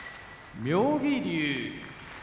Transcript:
妙義龍